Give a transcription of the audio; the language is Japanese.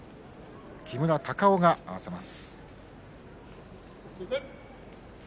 木村隆男が合わせます。